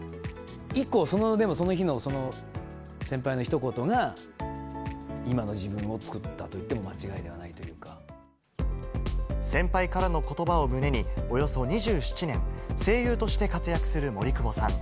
以降、でもその日の先輩のひと言が、今の自分を作ったと言っても先輩からのことばを胸に、およそ２７年、声優として活躍する森久保さん。